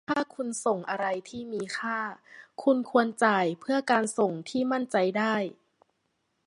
ถ้าคุณส่งอะไรที่มีค่า คุณควรจ่ายเพื่อการส่งที่มั่นใจได้